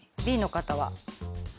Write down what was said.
Ｂの方は？